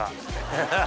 ハハハハ。